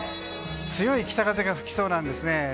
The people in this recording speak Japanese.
強い北風が吹きそうなんです。